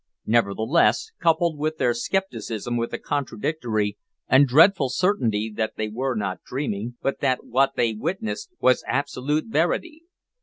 Nevertheless, coupled with their scepticism was a contradictory and dreadful certainty that they were not dreaming, but that what they witnessed was absolute verity.